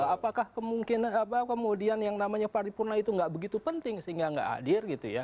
apakah kemudian yang namanya paripurna itu nggak begitu penting sehingga nggak hadir gitu ya